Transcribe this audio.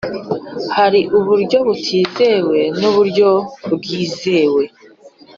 hari uburyo butizewe n’uburyo bwizewe.